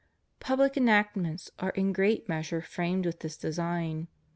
PubUc enactments are in great measure framed with this design.